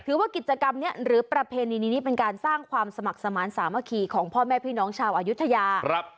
ว่ากิจกรรมนี้หรือประเพณีนี้เป็นการสร้างความสมัครสมาธิสามัคคีของพ่อแม่พี่น้องชาวอายุทยา